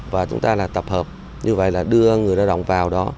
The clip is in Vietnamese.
và chúng ta là tập hợp như vậy là đưa người lao động vào đó